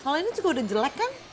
kalau ini juga udah jelek kan